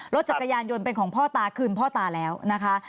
รถจักรยานยนต์เป็นของพ่อตาคืนพ่อตาแล้วนะคะ